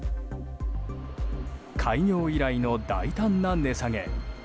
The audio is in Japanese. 開業以来の大胆な値下げ。